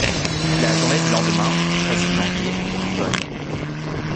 La journée du lendemain, treize janvier, fut bonne.